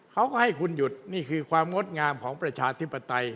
เขาก็ให้คุณหยุดนี่คือความงดงามของประชาธิปไตย